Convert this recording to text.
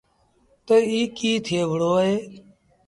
تا ايٚ ڪيٚ ٿئي وهُڙو اهي۔